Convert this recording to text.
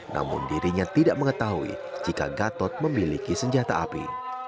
namun dirinya tidak mengetahui jika gatot memiliki senjata api